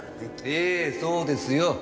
ええそうですよ。